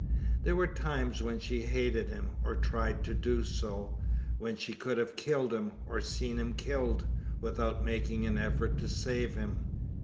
There were times when she hated him, or tried to do so when she could have killed him, or seen him killed, without making an effort to save him!